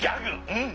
うん！